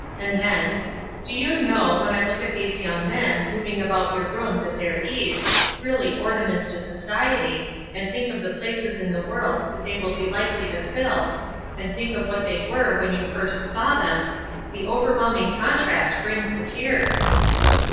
And then: "Do you know, when I look at these young men, moving about your rooms at their ease, really ornaments to society, and think of the places in the world that they will be likely to fill, and think of what they were when you first saw them, the overwhelming contrast brings the tears!"